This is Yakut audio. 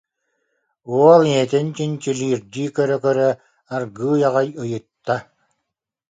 уол ийэтин чинчилиирдии көрө-көрө аргыый аҕай ыйытта